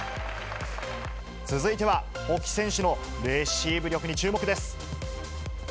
続いては、保木選手のレシーブ力に注目です。